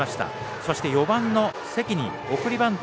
そして、４番の関が送りバント。